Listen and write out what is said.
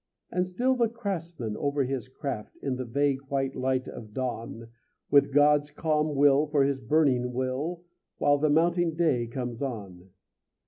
And still the craftsman over his craft, In the vague white light of dawn, With God's calm will for his burning will, While the mounting day comes on.